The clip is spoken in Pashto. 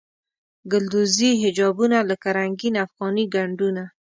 ګلدوزي حجابونه لکه رنګین افغاني ګنډونه.